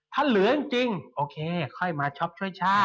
ถ้าเหลือจริงโอเคค่อยมาช็อปช่วยชาติ